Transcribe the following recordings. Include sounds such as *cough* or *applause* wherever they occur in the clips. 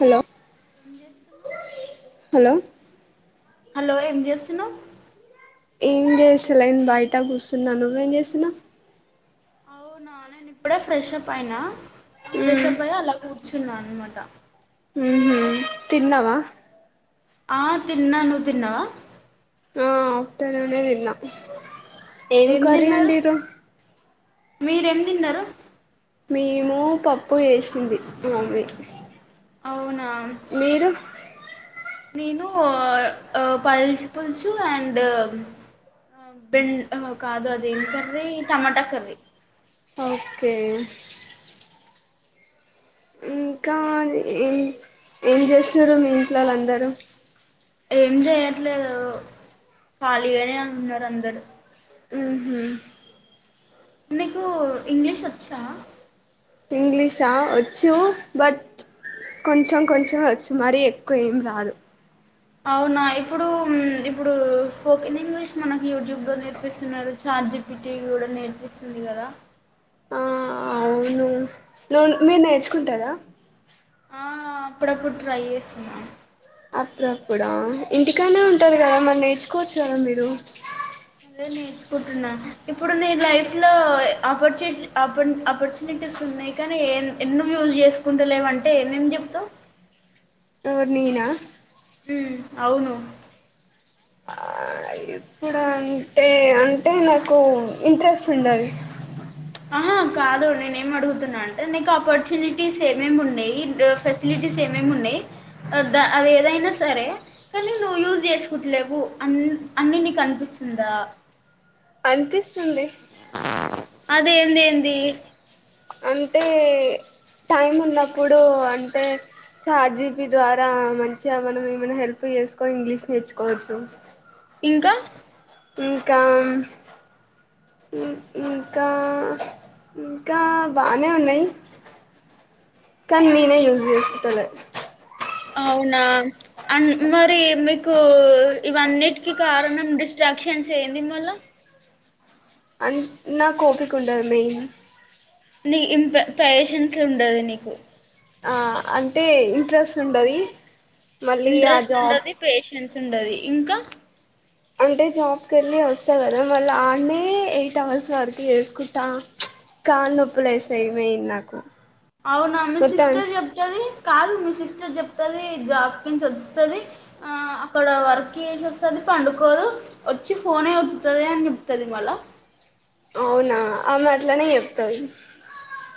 Hello ఎం చేస్తున్నావ్ hello hello ఎం చేస్తున్నావ్ ఏం చేసలా నేను బయట కూర్చున్నా నువ్వేం చేస్తున్నావ్ అవునా నేను ఇప్పుడే ఫ్రెష్ అప్ అయినా ఆ మ్మ్ ప్రషబ్ భై అలాగ చునాన్ అన్నమాట ఉహు తిన్నావా ఆ తిన్నాను నువ్వు తిన్నావా ఆ ఆఫ్టర్నూనె తిన్న ఏం కరీ వండిరు మీరేం తిన్నారు మేము పప్పు వేసింది మమ్మీ అవునా మీరు నేను పయల్చి పులుసుు అండ్ బెం కాదు అదేం కర్రీ టమాటా కర్రీ ఓకే ఇంకా ఏం ఏం చేస్తారు మీ ఇంట్లో వాళ్ళందరూ ఏం చేయట్లేదు ఖాళీగానే ఉన్నారు అందరు ఆహ మీకు, ఇంగ్లీష్ వచ్చా? ఇంగ్లీషా వచ్చు, బట్ కొంచెం కొంచెం వచ్చు, మరి ఎక్కువ యేమ్ రాదు. అవున, ఇప్పుడు ఇప్పుడు స్పోకన్ ఇంగ్లీష్ మనకి యూట్యూబ్- లో నేర్పిస్తున్నారు ఛార్జిపిటి గూడ, నేర్పిస్తుంది గద ఆ అవును, నువ్ మీర్ నేర్చుకుంటార? ఆ అప్పుడప్పుడు ట్రై జేస్తున్న. అప్పుడప్పుడ ఆహ్, ఇంటికాడనె ఉంటది గద, మరి నేర్చు- కూర్చోర మీరు, అదె నేర్చుకుంటున్న, ఇప్పుడు నీ లైఫ్ లో ఆపర్చునిటి అపుడ్ ఆపర్చునిటీస్ ఉన్నయ్ కాని, ఎ నువ్ ఎన్ని యూజ్ జేసుకుంటలేవంటె ఏ మేమ్ చెప్తావ్ ఎవర్ నేనా, హు అవును. ఆ ఇప్పుడ అంటె, అంటె నాకు ఇంట్రెస్ట్ ఉండాలి. ఆ కాదు నేన్ యేమ్ అడుగుతున్న అంటె, నీక్ ఆపర్చునిటీస్ ఏమేమి ఉన్నయ్ ఇంక ఈరోజ్, ఫెసిలిటీస్ ఏమేమ్ ఉన్నయ్? అద అది ఏదైన సరే, కాని నువ్వు యూజ్ చేసుకుట్లేవు, అన్ అన్ని నీకు అనిపిస్తుందా? అన్ పిస్తుంది. మ్యూజిక్ సౌండ్ అర్థం కాలేదు అదేందేంది. అంటే టైం ఉన్నప్పుడు, అంటె చార్జిపి ద్వార మంచిగ, మనం ఏమన్న హెల్ప్ జేస్ కోని ఇంగ్లీష్ నేర్చుకోవచ్చు. ఇంక యింకా ఇం ఇంకా యింకా బానె ఉన్నయ్ కాన్ నేనె జూస్ చేసుకోవటలె అవౌన అం మరి మీకు ఇవన్నిటికి కారణం, డిస్ట్రాక్షన్స్ ఏంది మళ్ళ అన్ నా కోపిక ఉండదు మెయ్ నీ ఇం పె పేషన్స్ ఉండదు నీకు ఆ అంటె ఇంట్రెస్ట్ ఉంటది ఇంట్రెస్ట్ ఉంటది పేషన్స్ ఉంటది ఇంక అంటె జాబ్ కెళ్ళి వస్త కద, మళ్ళ ఆడనే ఎయిట్ అవర్స్ వర్క్ చేసుకుంట, కాల్ నొప్పుల్ వేస్తాయ్ మెయిన్ నాకు ఔన, మొత్తం మీసిస్టర్ చెప్తది కాదు మీ సిస్టర్ చెప్తది జాబ్ కించ వస్తది, ఆ అక్కడ వర్క్ జేసి వస్తది, పండుకోదు వచ్చి ఫోనె వత్తుతది అని చెప్తుది మళ్ళ. ఔన ఆమె అట్లనె జెప్తది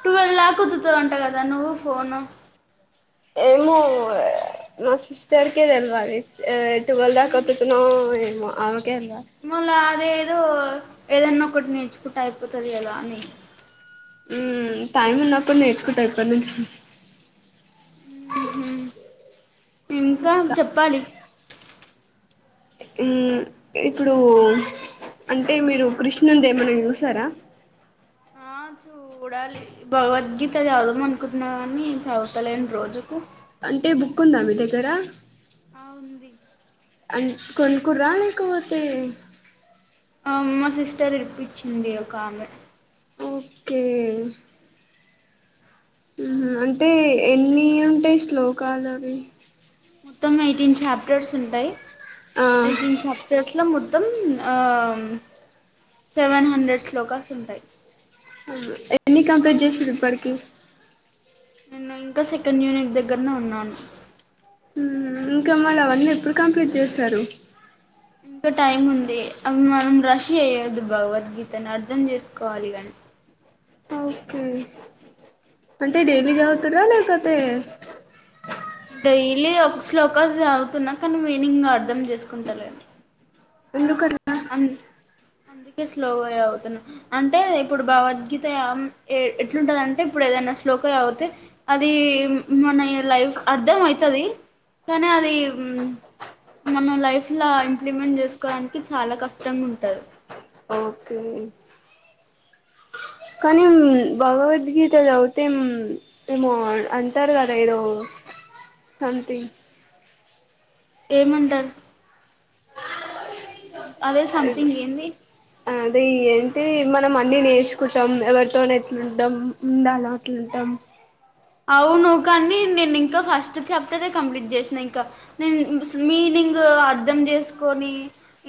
నువెల్ లాకొతుతువ అంట, గద నువ్వు ఫోను యేమొ, య మా సిస్టర్ కె తెల్వాలి ఏట్ టువల్ దాక వత్తుతున్సాము. యేమొ ఆవం కేర్ ఏదో, యేదన్న ఒకటి నేర్చుకుంటె అయిపోతది గదా అని ఊమ్ టైం ఉన్నప్పడ్ నేర్చుకుంట, ఇప్పటి నుంచి ఊహు యింక, చెప్పాలి. హు ఇప్పుడు అంటె, మీరు కృష్ణుందె యేమన్స జూస్తర, చూడాలి భగవద్గీత చదం అనుకుంటున్నా అన్నీ చదువుతలేండి రోజుకు కొ దా మీతే కరా అవుంది అ కొనుకరు రాలక పోతే ఆ మా సిస్టర్ ఇపించింది ఒక ఆమె ఓకే అవును అంటే ఎన్ని ఏ అంటే శ్లోకాల అవి మొత్తం ఎయిటీన్ చాప్టర్స్ ఉంటాయి ఆ *unintelligible* మొత్తం సెవెన్ హండ్రెడ్ స్ లోకాస్ ఉంటాయి ఎన్ని కంప్ట్ చేసారు ఇప్పటికి నేను ఇంకా సెకండ్ యూనిట్ దగ్గరనే ఉన్నాను ఇంకా మళ్ళ అవన్నీ ఎప్పుడు కంప్లీట్ చేస్తారు ఇంకా టైం ఉంది అవి మనం రష్ చేయద్ భగవద్గీతను అర్థం చేసుకోవాలి కాని ఓకే అంటే డైలీ చవుతారా లేకతే డైలీ ఒక శ్లోకాస్ సాగుతున్నా కానీ మీనింగ్ అర్ధం చేసుకుంటలే ఎందుకుక అ అందుకే స్లోగా అవుతున్నా అంటే ఇప్పుడు భగవద్గీత ఎట్లుంటదింటే ఇప్పుడు ఏదైనా స్లోగా అవుతే అది మన లైఫ్ అర్థం అవుతుది కానీ అది మన లైఫ్లా ఇంప్లిమెంట్ చేసుకోవడానికి చాలా కష్టంగా ఉంటారు ఓకే కానీ భగవద్గీత మంచిగా చదివితే మేమో అంటారు కదా ఏదో సథింగ్ ఏమంటారు అదే సంథింగ్ ఏంది అదే ఏంటి మనం అన్ని నేర్చుకుంటాం ఎవరితోనీ ఎట్లుంటాం ఉండల అట్లుంటాం అవును కానీ నేను ఇంకా ఫస్ట్ చాప్టరే కంప్లీట్ చేసినా ఇంకా నేను మీనింగ్ అర్ధం చేసుకొని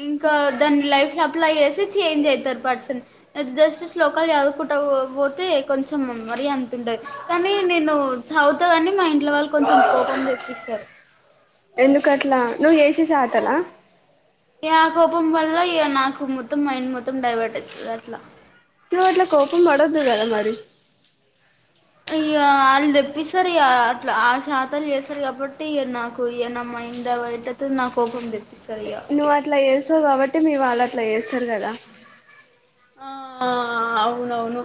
ఇంకా దాని లైఫ్ అప్లై చేసి చేంజ్ చెత్తరు పర్సన్ అది జస్ట్ శ్లోకాలు చదువుకుంటా పోతే కొంచెం మెమరీ అంత ఉండది కానీ నేను చదువుతా కాని మా ఇంట్ల వాళ్ళు కొంచెం కోపం తెప్పిస్తారు ఎందుకట్లా నువ్ చేసేసాటలా ఈ ఆ కోపం వల్ల ఇక నాకు మొత్తం మైండ్ మొత్తం డైవర్ట్ అయితది అట్లా నువ్వు అట్లా కోపం పడొద్దు కద మరి వాళ్ళు తెప్పిస్తారు ఇగ అట్లా ఆ శాతాలు చేస్తారు కాబట్టి నాకు ఇగ నా మైదా బయట నా కోపం తెప్పారు నువ్వు అట్లా చేస్తావ్ కాబట్టి బట్టి మీ వాళ్ళు అట్లా చేస్తారు కదా ఆ అవునవును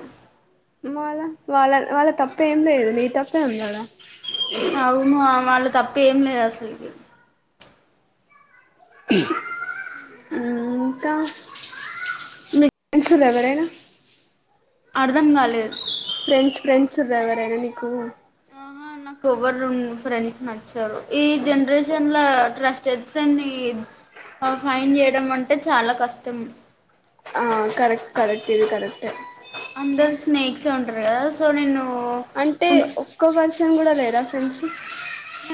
వాళ్ళ వాళ్ళ వాళ్ళ తప్పు ఏం లేదు నీ తప్పే ఉంది కదా అవును ఆ వాళ్ళ తప్ పేమ్ లేదు అసలుకి ఇంకా మీకు తెలుసు ఎవరైనా అర్ధం కాలేదు ఫ్రెండ్స్ ఫ్రెండ్స్ డ్రైవరైనా నీకు ఆహా నాకు ఎవరన్ ఫ్రెండ్స్ నచ్చారు ఈ జనరేషన్ల ట్రస్టెడ్ ఫ్రెండ్ ని ఫైన్ చేయడం అంటే చాలా కష్టం ఆ కరెక్ట్ కరెక్ట్ ఇది కరెక్ట్ అందరు స్నేక్స్ చొ ఉంటారు కదా సో నిన్ను అంటే ఒక్క పర్సన్ కూడా లేరా ఫ్రెండ్స్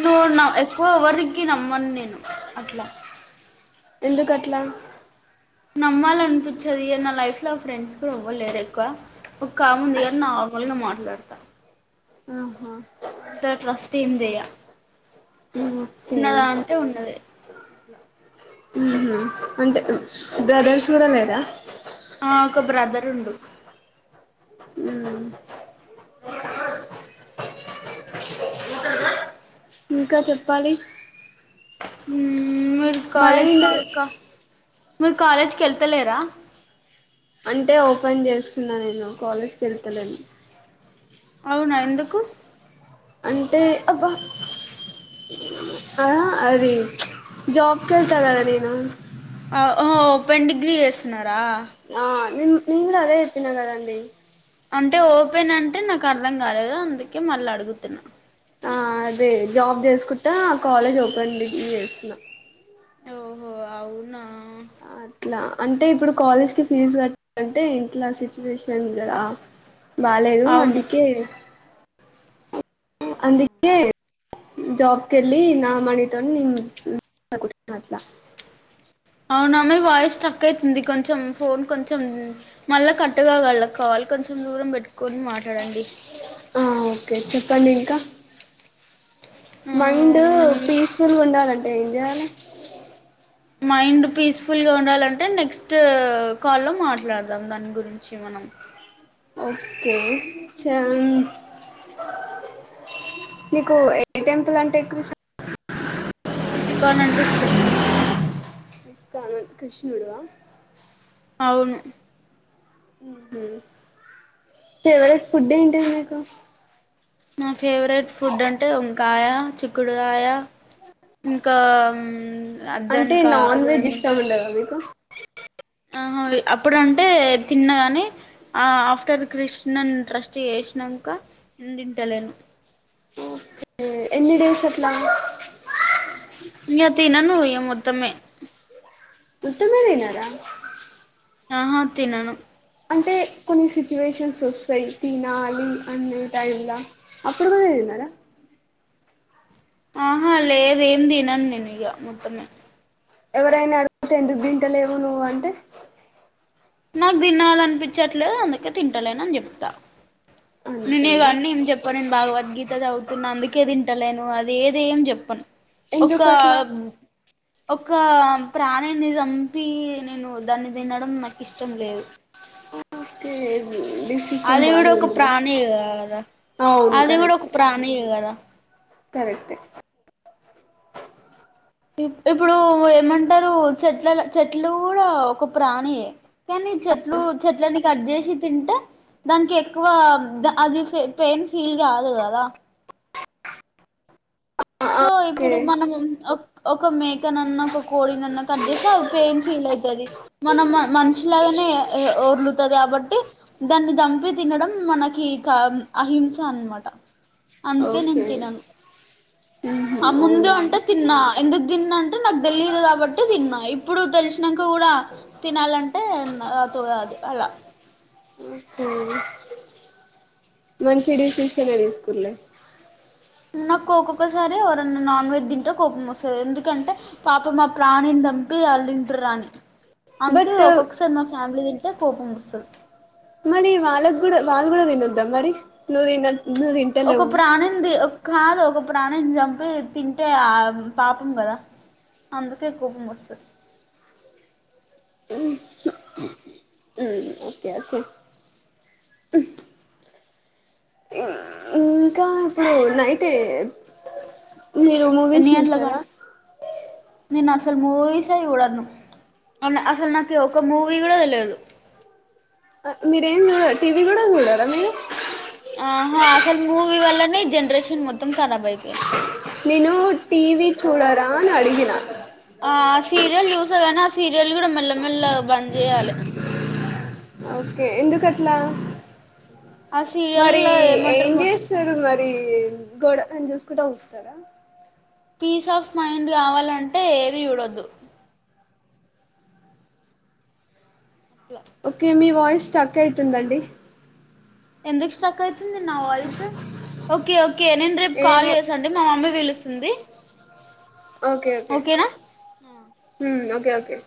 నేను ఎక్కువ ఎవరికి నమ్మను నేను అట్లా ఎందుకుట్లా నమ్మాలి అనిపించది నా లైఫ్ లో ఫ్రెండ్స్ కూడా ఇవ్వలేరు ఎక్కువ ఒక్క ఆమె ఉంది కానీ నార్మల్ గానే మాట్లాడతా ఆహా అంత ట్రస్ట్ ఏం జయ ఓకే ఉన్నదా అంటే ఉన్నది ఉహ అంటే బ్రదర్స్ కూడా లేదా ఆ ఒక బ్రదర్ ఉండు ఇంకా చెప్పాలి హ మీరు మైండ్ కాలేజీకి ఇంకా మీరు కాలేజీకి వెళ్తలేరా అంటే ఓపెన్ చేస్తున్నా నేను కాలేజీకి వెళ్తలేను అవునా ఎందుకు అంటే అబ్బా ఆ అది చ్చ్ జాబ్ కెళ్తా కదా నేను. ఆ ఒహో ఓపెన్ డిగ్రీ చేస్తున్నారు. ఆ నిన్న్ నిన్ గుడా అదే చెప్పినా కదండి. అంటే ఓపెన్ అంటే నాకు అర్థం కాలేదు, అందుకే మళ్ల అడుగుతున్నా. ఆ అదే జాబ్ జేసుకుట్టా కాలేజ్ ఓపెన్ డిగ్రీ చేస్తున్నా. ఓహో అవునా. అట్లా అంటే ఇప్పుడు కాలేజ్ కి ఫీజు గ *inaudible* అంటే ఇంట్లో ఆ సిచ్యువేషన్ గదా. బాలేేదు అవునా అందుకే. అవును అందుకే జాబ్ కెల్లీ నా మనీతోనె నేను *unintelligible* అవును ఆమె వాయిస్ స్ట్రక్కు అయితుంది, కొంచెం ఫోన్ కొంచెం మల్లా కట్టు కాగలద కాల్ కొంచెం దూరం పెట్టుకొని మాటాడండి. ఆ ఓకే చెప్పండి ఇంకా. ఆ మైండ్ పీస్ ఫుల్ ఉండాలం ఏంజెయాలె? మైండ్ పీస్ ఫుల్ గా ఉండాలంటే నెక్స్ట్ కాల్లో మాట్లాడదాం దాని గురించి మనం. ఓకే చం నీకు ఏ టెంపుల్ అంటే ఎక్కువిష్ ఇస్కాన్ ఆంటే ఇష్టం. ఇస్కాన్ కృష్ణుడు ఆ? అవును ఫేవరెట్ ఫుడ్ ఏంటిది మీకు? నా ఫేవరెట్ ఫుడ్ అంటే వంకాయ, చిక్కుడుకాయ. ఇంకా మ్ అ అంటే దానికా నాన్ దాని వెజ్ ఇష్టం ఏమంటారు? ఉండదా మీకు ఆహ అవి అప్పుడంటే తిన్నగాని ఆ ఆఫ్టర్ క్రిష్ణన్ ట్రస్ట్ జేషినంక న్ తింటలేను. ఎ ఎన్ని డేస్ అట్లా? ఇహ తిననూ, ఇహ మొత్తమే. మొత్తమే తినరా? ఆహ తినను. అంటే కొన్ని సిచ్యువేషన్స్ వస్తాయి తినాలి అనే టైమ్లా అప్పుడు కూడా తినరా? ఆహా లేదు ఏం తినను నేను ఇగ మొత్తమే. ఎవరైనా అడుగుతే ఎందుకు దింటలేవు నువ్వు అంటే. నాకు దినాలనిపించట్లేదు అందుకే తింటలేన అని చెప్తా. నేను అంతేనా ఇవన్నీ ఏం చెప్ప, నేను భగవద్గీత చవుతున్నా అందుకే తింటలేను. అద్ ఏదేం చెప్పన్ ఎందుకు ఒకా అట్లా ఒకా ప్రాణిని జంపీ నేను, దాన్ని తినడం నాకు ఇష్టం లేదు. ఓకే డిసిషన్ అది గూడా బానే ఒక ఉందిలే ప్రాణియె కదా, అవును అది గూడా ఒక కరెక్టే ప్రాణియె కదా. కరెక్టే. ఇప్పుడూ ఏమం అంటారు చెట్ల చెట్లు కూడా ఒక ప్రాణియే కానీ చెట్లు చెట్లని కట్ చేసి తింటే దానికి ఎక్కువ అది పెయిన్ ఫీల్ కాదు కదా ఆ ఆ సో ఓకే ఇప్పుడు మనం ఒక మే కనన్నా ఒక కోడిన్న కట్ చేసే అది పేయిన్ ఫీల్ అయితది మనం మనిషిలాగానే ఓర్లు తది కాబట్టి దాన్ని దంపి తినడం మనకి కా అహింస అనమాట అందుకే నేను ఓకే తినను ఊహూ ఆ ముందు అవునా అంటే తిన్న ఎందుకు తిన్నా అంటే నాకు తెలియదు కాబట్టి తిన్నా ఇప్పుడు తెలిసినంక కూడా తినాలంటే నాతో కాదు అలా ఓకే మంచి డెసిషన్ నే తీసుకుర్లే నా కోక్కొక్కసారి ఎవరన్నా నాన్ వెజ్ తింటే కోపం వస్తుంది ఎందుకంటే పాపం మా ప్రాణిని దంపి ఆళ్ళు తింటురా అని అందుకే బట్ ఒక్కొక్కసారి మా ఫ్యామిలీ టే ఏ కోపం వస్తది మరి వాళ్ళకి కూడా వాళ్ళ కూడా తినొద్దా మరి నువ్వు తిన నువ్వు ఒక తింటలేవు ప్రాణింది కాదు ఒక ప్రాణం చంపి తింటే ఆ పాపం కదా అందుకే కోపం వస్తది మ్మ్ ఓకే ఓకే ఇంకా ఇప్పుడు నైట్ మీరు మూవీస్ ఎన్ని గంటలకు అం చూస్తారా నేను అసలు మూవీస్ ఎ చూడను అస్సలు నాకు ఒక మూవీ కూడా తెలువదు మీరు ఎం చూడరా టీవీ కూడా చూడరా మీరు ఆహా అసలు మూవీ వల్లనే జనరేషన్ మొత్తం ఖరాబ్ అయిం నేను టీ వి చూడరా అని అడిగిన ఆ సీరియల్ చుస్ స్తా గాని ఆ సీరియల్ కూడా మెల్లా మెల్లాగా బంద్ చేయాలే ఒకే ఎందుకు అట్లా ఆ మరి సీరియల్లో ఏమంటారు ఏం మొత్తం చేస్తరు మరి గొడలని చూసుకుంటా కుసుంటరా పీస్ ఆఫ్ మైండ్ కావాలంటే ఏవీ చూడొద్దు అట్లా ఓకే మీ వాయిస్ స్ట్రక్ ఆయితుందండి ఎందుకు స్ట్రక్ ఆయిత్ స్తుంది నా వాయిస్ ఒకే ఒకే నేను రేపు కాల్ ఏమో చేస్తా అండి మా మమ్మీ పిలుస్ స్తుంది ఒకే ఒకే హమ్ ఒక్ కే ఒకే